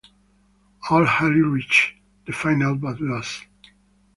Al Ahly reached the final but lost.